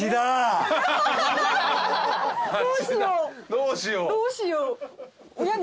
どうしよう。